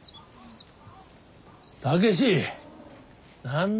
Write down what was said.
武志何だ